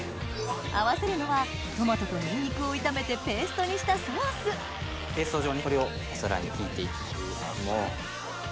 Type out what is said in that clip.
合わせるのはトマトとニンニクを炒めてペーストにしたソースペースト状にこれをお皿に引いていきます。